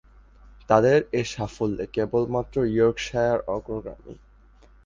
তাদের এ সাফল্যে কেবলমাত্র ইয়র্কশায়ার অগ্রগামী।